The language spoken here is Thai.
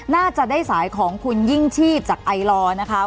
น่าจะได้สายของคุณยิ่งชีพจากไอลอร์นะคะ